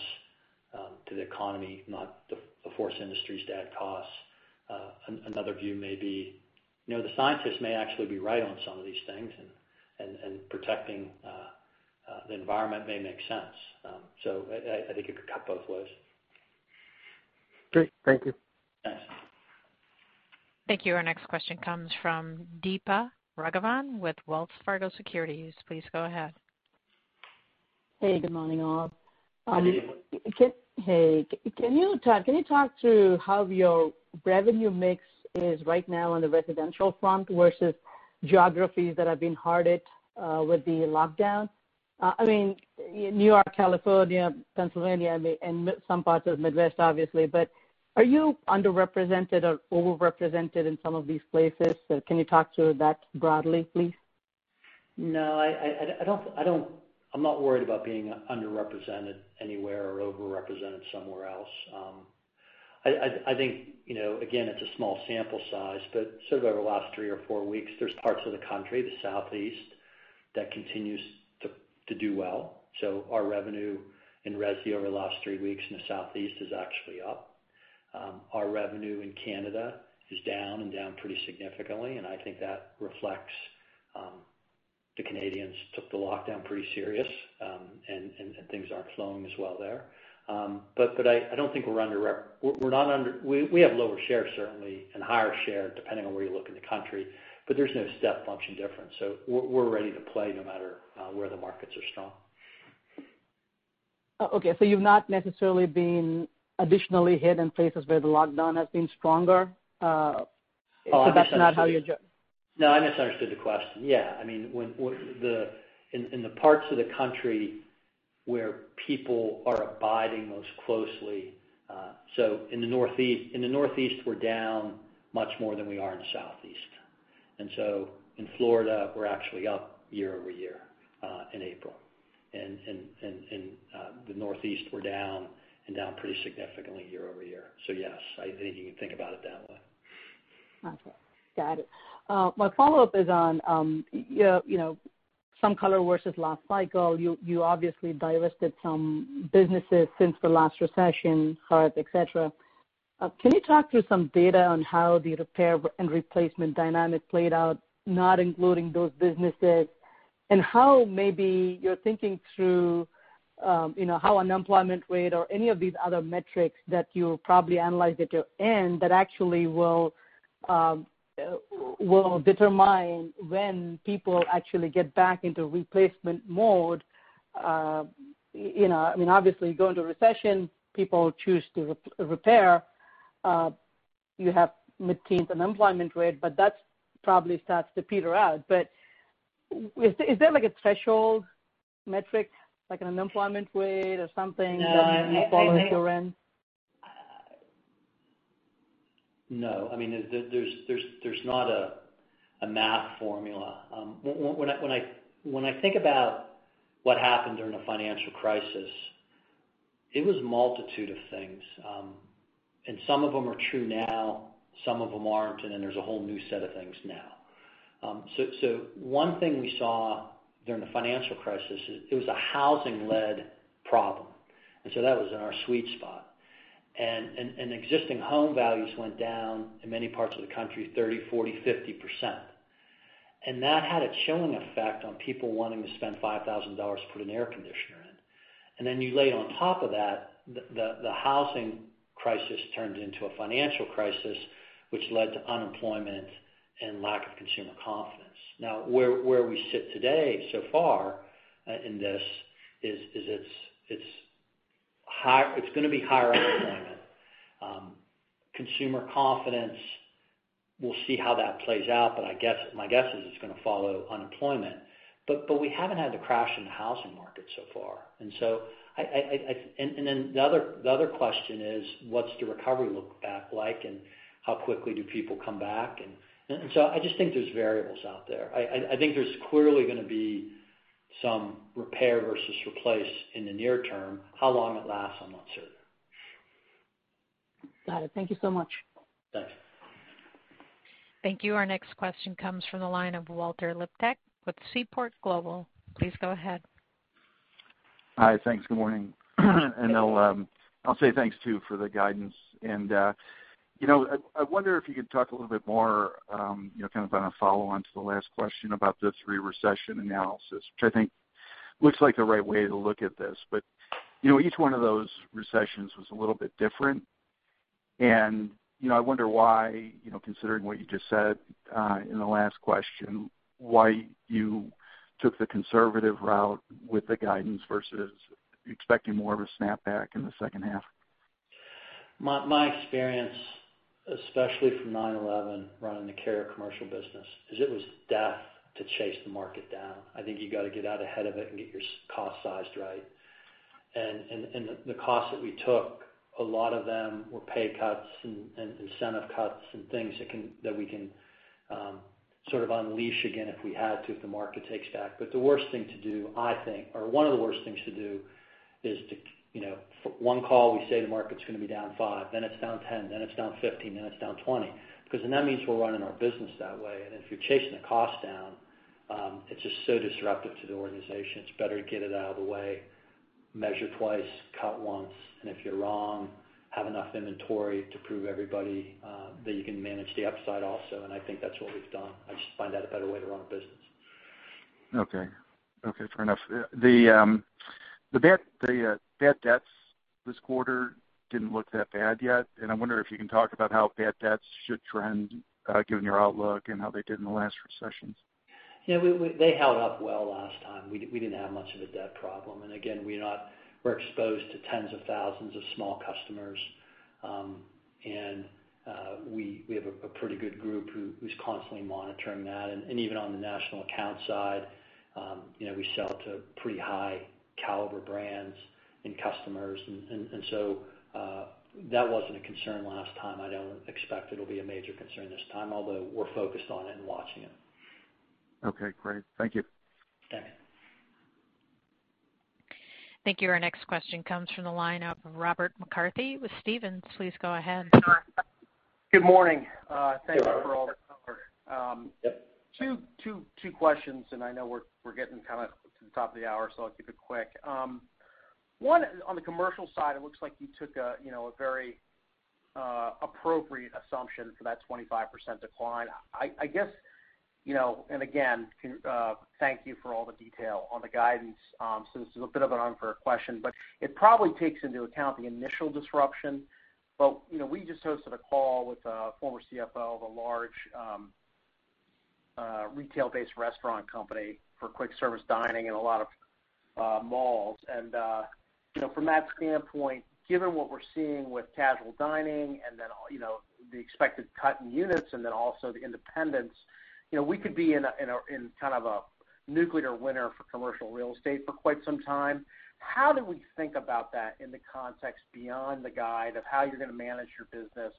to the economy, not to force industries to add costs. Another view may be the scientists may actually be right on some of these things. Protecting the environment may make sense. I think it could cut both ways. Great. Thank you. Thanks. Thank you. Our next question comes from Deepa Raghavan with Wells Fargo Securities. Please go ahead. Hey, good morning all. Good evening. Hey. Can you talk to how your revenue mix is right now on the Residential front versus geographies that have been hard hit with the lockdown? New York, California, Pennsylvania, and some parts of Midwest, obviously. Are you underrepresented or overrepresented in some of these places? Can you talk to that broadly, please? No, I'm not worried about being underrepresented anywhere or overrepresented somewhere else. I think, again, it's a small sample size, but sort of over the last three or four weeks, there's parts of the country, the Southeast, that continues to do well. Our revenue in Resi over the last three weeks in the Southeast is actually up. Our revenue in Canada is down and down pretty significantly, and I think that reflects the Canadians took the lockdown pretty serious, and things aren't flowing as well there. I don't think we have lower share, certainly, and higher share depending on where you look in the country, but there's no step function difference. We're ready to play no matter where the markets are strong. Okay. You've not necessarily been additionally hit in places where the lockdown has been stronger? That's not how you're- No, I misunderstood the question. Yeah. In the parts of the country where people are abiding most closely, so in the Northeast, we're down much more than we are in the Southeast. In Florida, we're actually up year-over-year, in April. The Northeast, we're down pretty significantly year-over-year. Yes, I think you can think about it that way. Okay. Got it. My follow-up is on some color versus last cycle. You obviously divested some businesses since the last recession, Hearth, et cetera. Can you talk through some data on how the repair and replacement dynamic played out, not including those businesses? How maybe you're thinking through how unemployment rate or any of these other metrics that you probably analyze at your end that actually will determine when people actually get back into replacement mode. Obviously, you go into recession, people choose to repair. You have mid-teens unemployment rate, that probably starts to peter out. Is there a threshold metric, like an unemployment rate or something that you follow through in? No, there's not a math formula. When I think about what happened during the financial crisis, it was multitude of things. Some of them are true now, some of them aren't, and then there's a whole new set of things now. One thing we saw during the financial crisis, it was a housing-led problem, and so that was in our sweet spot. Existing home values went down in many parts of the country 30%, 40%, 50%. That had a chilling effect on people wanting to spend $5,000 to put an air conditioner in. You lay on top of that, the housing crisis turned into a financial crisis, which led to unemployment and lack of consumer confidence. Where we sit today so far in this is it's going to be higher unemployment. Consumer confidence, we'll see how that plays out, but my guess is it's going to follow unemployment. We haven't had the crash in the housing market so far. The other question is, what's the recovery look back like and how quickly do people come back? I just think there's variables out there. I think there's clearly going to be some repair versus replace in the near term. How long it lasts, I'm not certain. Got it. Thank you so much. Thanks. Thank you. Our next question comes from the line of Walter Liptak with Seaport Global. Please go ahead. Hi. Thanks. Good morning. I'll say thanks too for the guidance. I wonder if you could talk a little bit more, kind of on a follow-on to the last question about the three recession analysis, which I think looks like the right way to look at this. Each one of those recessions was a little bit different. I wonder why, considering what you just said in the last question, why you took the conservative route with the guidance versus expecting more of a snapback in the second half. My experience, especially from 9/11, running the Carrier commercial business, is it was death to chase the market down. I think you got to get out ahead of it and get your cost sized right. The cost that we took, a lot of them were pay cuts and incentive cuts and things that we can sort of unleash again if we had to, if the market takes back. The worst thing to do, I think, or one of the worst things to do is to, one call, we say the market's going to be down 5%, then it's down 10%, down 15%, then it's down 20%. That means we're running our business that way, and if you're chasing the cost down, it's just so disruptive to the organization. It's better to get it out of the way, measure twice, cut once, and if you're wrong, have enough inventory to prove everybody that you can manage the upside also, and I think that's what we've done. I just find that a better way to run a business. Okay. Fair enough. The bad debts this quarter didn't look that bad yet, and I wonder if you can talk about how bad debts should trend, given your outlook and how they did in the last recessions. Yeah, they held up well last time. We didn't have much of a debt problem. Again, we're exposed to tens of thousands of small customers. We have a pretty good group who's constantly monitoring that. Even on the national account side, we sell to pretty high caliber brands and customers. That wasn't a concern last time. I don't expect it'll be a major concern this time, although we're focused on it and watching it. Okay, great. Thank you. Okay. Thank you. Our next question comes from the line of Robert McCarthy with Stephens. Please go ahead. Good morning. Good morning. Thanks for all the color. Yep. Two questions. I know we're getting to the top of the hour, so I'll keep it quick. One, on the Commercial side, it looks like you took a very appropriate assumption for that 25% decline. Again, thank you for all the detail on the guidance. This is a bit of an unfair question, but it probably takes into account the initial disruption. We just hosted a call with a former CFO of a large retail-based restaurant company for quick service dining in a lot of malls. From that standpoint, given what we're seeing with casual dining and then the expected cut in units and then also the independents, we could be in a nuclear winter for Commercial real estate for quite some time. How do we think about that in the context beyond the guide of how you're going to manage your business?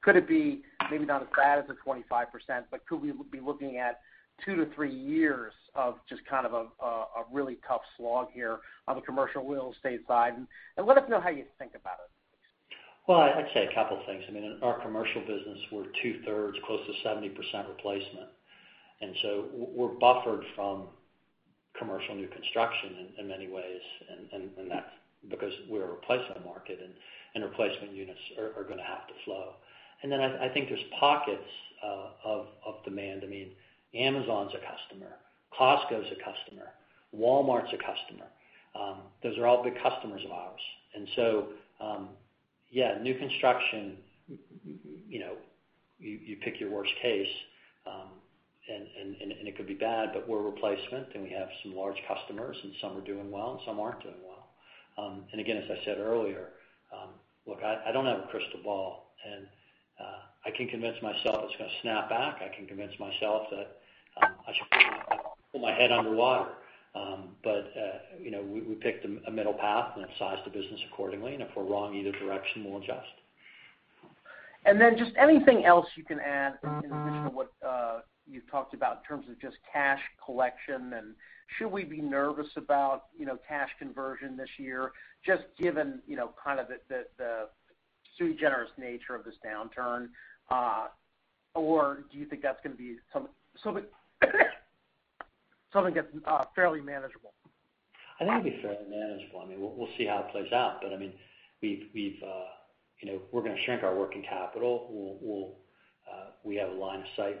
Could it be maybe not as bad as a 25%, but could we be looking at 2-3 years of just kind of a really tough slog here on the commercial real estate side? Let us know how you think about it, please. Well, I'd say a couple things. I mean, in our Commercial business, we're two-thirds, close to 70% replacement. We're buffered from commercial new construction in many ways, and that's because we're a replacement market, and replacement units are going to have to flow. I think there's pockets of demand. Amazon's a customer, Costco's a customer, Walmart's a customer. Those are all big customers of ours. Yeah, new construction, you pick your worst case, and it could be bad, but we're a replacement, and we have some large customers, and some are doing well, and some aren't doing well. As I said earlier, look, I don't have a crystal ball, and I can convince myself it's going to snap back. I can convince myself that I should put my head underwater. We picked a middle path and then sized the business accordingly, and if we're wrong either direction, we'll adjust. Just anything else you can add in addition to what you've talked about in terms of just cash collection, and should we be nervous about cash conversion this year, just given the sui generis nature of this downturn? Do you think that's going to be something that's fairly manageable? I think it'll be fairly manageable. We'll see how it plays out. We're going to shrink our working capital. We have line of sight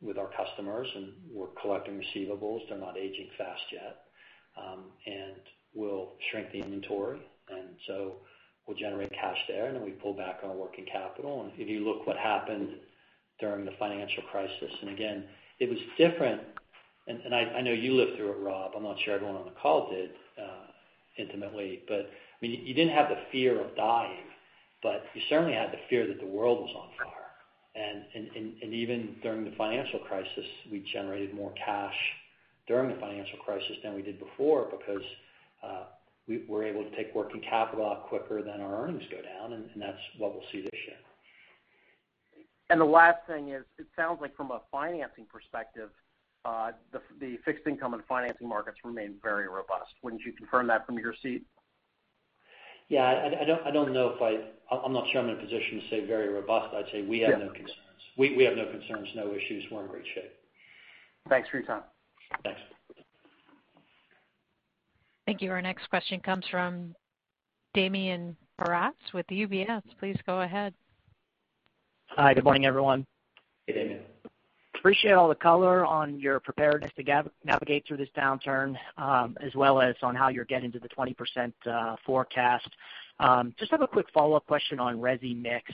with our customers, and we're collecting receivables. They're not aging fast yet. We'll shrink the inventory, we'll generate cash there, we pull back on our working capital. If you look what happened during the financial crisis, again, it was different. I know you lived through it, Rob. I'm not sure everyone on the call did intimately, but you didn't have the fear of dying, but you certainly had the fear that the world was on fire. Even during the financial crisis, we generated more cash during the financial crisis than we did before because we were able to take working capital out quicker than our earnings go down, that's what we'll see this year. The last thing is, it sounds like from a financing perspective, the fixed income and financing markets remain very robust. Wouldn't you confirm that from your seat? Yeah. I'm not sure I'm in a position to say very robust. I'd say we have no concerns, no issues. We're in great shape. Thanks for your time. Thanks. Thank you. Our next question comes from Damian Karas with UBS. Please go ahead. Hi. Good morning, everyone. Hey, Damian. Appreciate all the color on your preparedness to navigate through this downturn, as well as on how you're getting to the 20% forecast. Just have a quick follow-up question on Resi mix.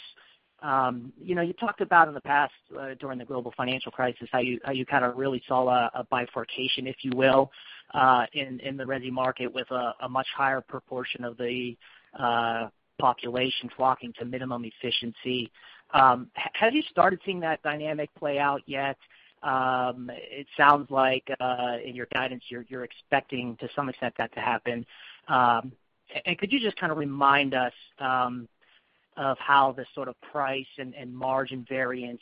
You talked about in the past, during the global financial crisis, how you kind of really saw a bifurcation, if you will, in the Resi market with a much higher proportion of the population flocking to minimum efficiency. Have you started seeing that dynamic play out yet? It sounds like in your guidance, you're expecting to some extent that to happen. Could you just kind of remind us of how the sort of price and margin variance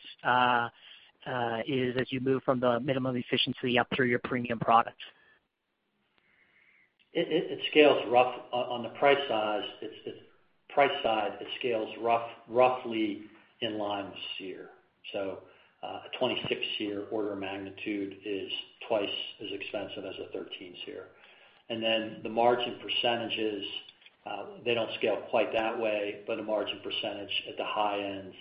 is as you move from the minimum efficiency up through your premium products? On the price side, it scales roughly in line with SEER. A 26 SEER order of magnitude is twice as expensive as a 13 SEER. The margin percentages, they don't scale quite that way, but a margin percentage at the high end,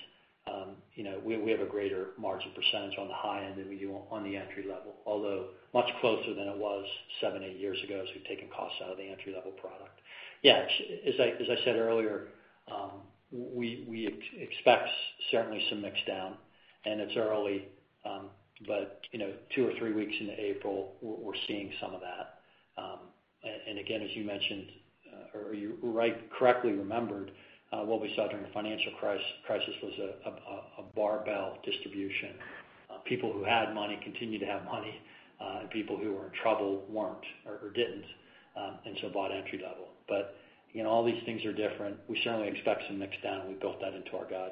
we have a greater margin percentage on the high end than we do on the entry level, although much closer than it was seven, eight years ago as we've taken costs out of the entry-level product. Yeah. As I said earlier, we expect certainly some mix down, and it's early, but two or three weeks into April, we're seeing some of that. Again, as you mentioned, or you correctly remembered, what we saw during the financial crisis was a barbell distribution. People who had money continued to have money, and people who were in trouble weren't, or didn't, and so bought entry level. All these things are different. We certainly expect some mix down. We built that into our guide.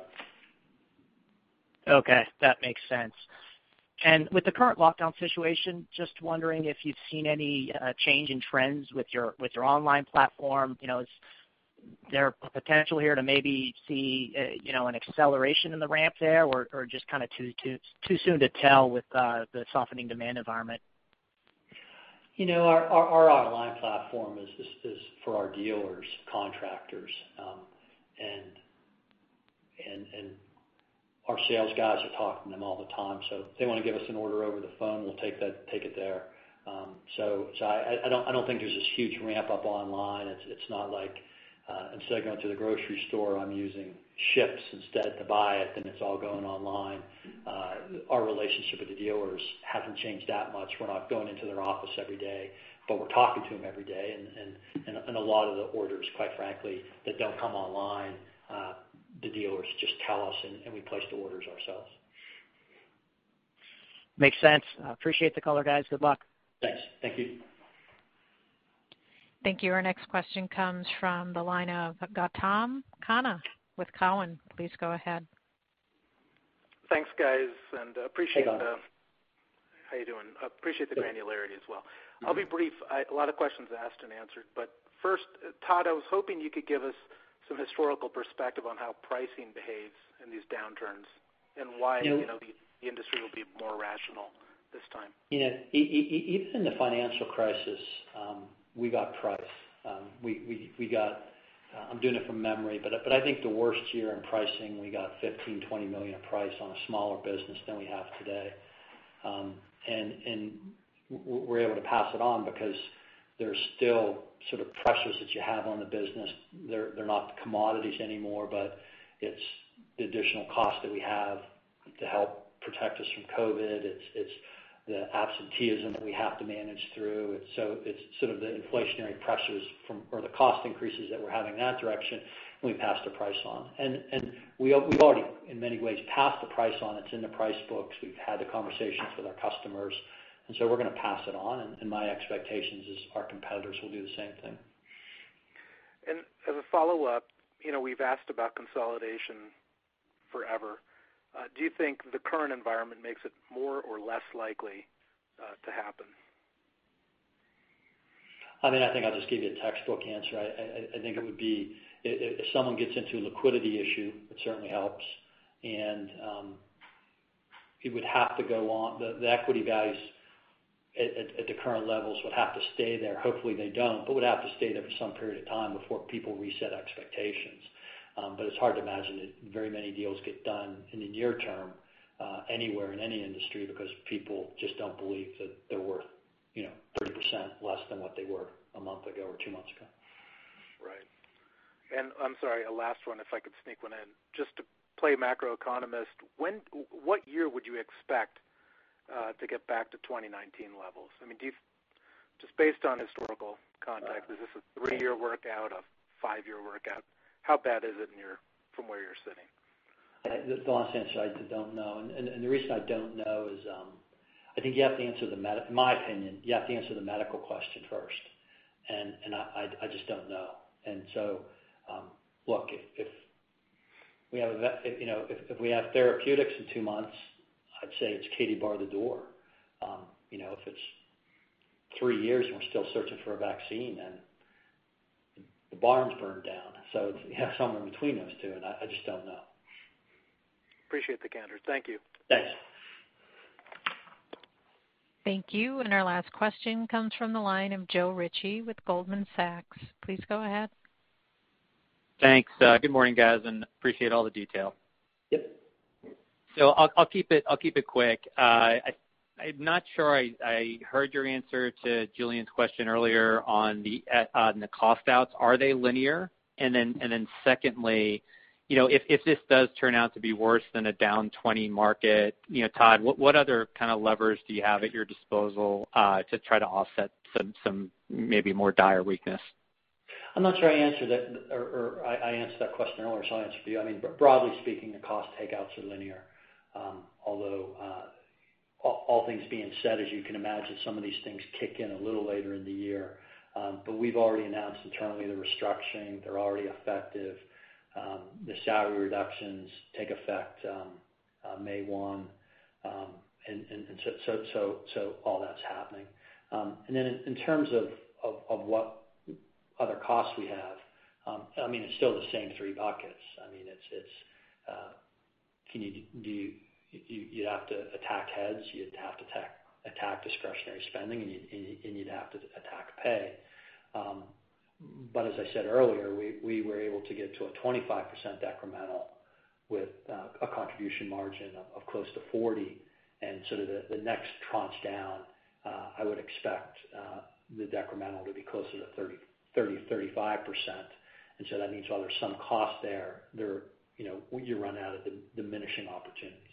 Okay, that makes sense. With the current lockdown situation, just wondering if you've seen any change in trends with your online platform. Is there potential here to maybe see an acceleration in the ramp there or just kind of too soon to tell with the softening demand environment? Our online platform is for our dealers, contractors, and our sales guys are talking to them all the time. If they want to give us an order over the phone, we'll take it there. I don't think there's this huge ramp-up online. It's not like instead of going to the grocery store, I'm using Shipt instead to buy it, and it's all going online. Our relationship with the dealers hasn't changed that much. We're not going into their office every day, but we're talking to them every day, and a lot of the orders, quite frankly, that don't come online, the dealers just tell us, and we place the orders ourselves. Makes sense. I appreciate the color, guys. Good luck. Thanks. Thank you. Thank you. Our next question comes from the line of Gautam Khanna with Cowen. Please go ahead. Thanks, guys, and appreciate. Hey, Gautam. How you doing? I appreciate the granularity as well. I'll be brief. A lot of questions asked and answered. First, Todd, I was hoping you could give us some historical perspective on how pricing behaves in these downturns and why the industry will be more rational this time. Even in the financial crisis, we got price. I'm doing it from memory, but I think the worst year in pricing, we got $15 million, $20 million of price on a smaller business than we have today. We're able to pass it on because there's still sort of pressures that you have on the business. They're not commodities anymore, but it's the additional cost that we have to help protect us from COVID. It's the absenteeism that we have to manage through. It's sort of the inflationary pressures or the cost increases that we're having in that direction, and we pass the price on. We've already, in many ways, passed the price on. It's in the price books. We've had the conversations with our customers, we're going to pass it on, and my expectation is our competitors will do the same thing. As a follow-up, we've asked about consolidation forever. Do you think the current environment makes it more or less likely to happen? I think I'll just give you a textbook answer. I think it would be if someone gets into a liquidity issue, it certainly helps. It would have to go on. The equity values at the current levels would have to stay there. Hopefully, they don't. Would have to stay there for some period of time before people reset expectations. It's hard to imagine that very many deals get done in the near term anywhere in any industry because people just don't believe that they're worth 30% less than what they were a month ago or two months ago. Right. I'm sorry, a last one if I could sneak one in. Just to play macroeconomist, what year would you expect to get back to 2019 levels? Just based on historical context, is this a three-year workout, a five-year workout? How bad is it from where you're sitting? The honest answer, I don't know. The reason I don't know is, in my opinion, you have to answer the medical question first, and I just don't know. Look, if we have therapeutics in two months, I'd say it's Katy, bar the door. If it's three years and we're still searching for a vaccine, the barn's b urned down. It's somewhere between those two, and I just don't know. Appreciate the candor. Thank you. Thanks. Thank you. Our last question comes from the line of Joe Ritchie with Goldman Sachs. Please go ahead. Thanks. Good morning, guys, and appreciate all the detail. Yep. I'll keep it quick. I'm not sure I heard your answer to Julian's question earlier on the cost outs. Are they linear? Secondly, if this does turn out to be worse than a down 20% market, Todd, what other kind of levers do you have at your disposal to try to offset some maybe more dire weakness? I'm not sure I answered that question earlier, so I'll answer it for you. Broadly speaking, the cost takeouts are linear. All things being said, as you can imagine, some of these things kick in a little later in the year. We've already announced internally the restructuring. They're already effective. The salary reductions take effect on May 1. All that's happening. In terms of what other costs we have, it's still the same three buckets. You'd have to attack heads, you'd have to attack discretionary spending, and you'd have to attack pay. As I said earlier, we were able to get to a 25% decremental with a contribution margin of close to 40. The next tranche down, I would expect the decremental to be closer to 30%-35%. That means while there's some cost there, when you run out of diminishing opportunities.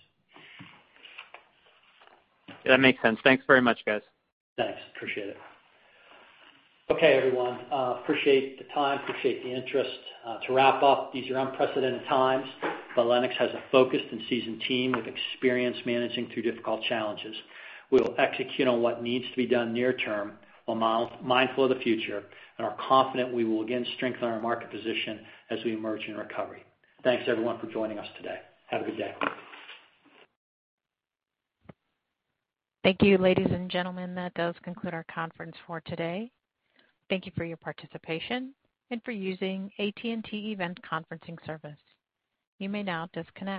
That makes sense. Thanks very much, guys. Thanks. Appreciate it. Okay, everyone. Appreciate the time, appreciate the interest. To wrap up, these are unprecedented times, Lennox has a focused and seasoned team with experience managing through difficult challenges. We will execute on what needs to be done near term, while mindful of the future, and are confident we will again strengthen our market position as we emerge in recovery. Thanks, everyone, for joining us today. Have a good day. Thank you, ladies and gentlemen. That does conclude our conference for today. Thank you for your participation and for using AT&T Event Conferencing service. You may now disconnect.